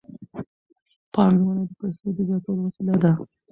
پانګونه د پیسو د زیاتولو وسیله ده.